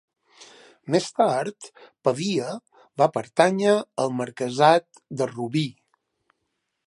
Més tard Pavia va pertànyer al marquesat de Rubí.